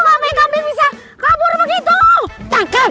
kambing kiki bangun kiki bangun